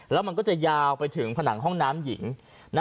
แล้วมันก็จะยาวไปถึงผนังห้องน้ำหญิง